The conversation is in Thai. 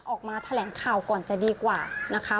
ออกมาแถลงข่าวก่อนจะดีกว่านะคะ